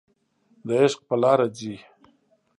د عشق په لاره ځي